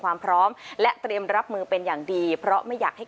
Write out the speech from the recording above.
ความพร้อมและเตรียมรับมือเป็นอย่างดีเพราะไม่อยากให้